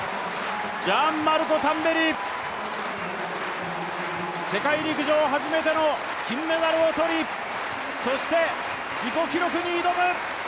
ジャンマルコ・タンベリ、世界陸上初めての金メダルを取り、そして自己記録に挑む！